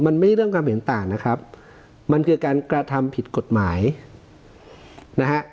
มันไม่ใช่เรื่องความเห็นต่างนะครับมันคือการกระทำผิดกฎหมายนะฮะ